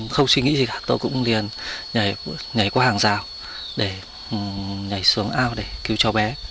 không suy nghĩ gì cả tôi cũng liền nhảy qua hàng rào để nhảy xuống ao để cứu cho bé